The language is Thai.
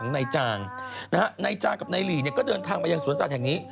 ในจางกับในหลีก็เดินทางไปยังสวนสัตว์แห่งนี้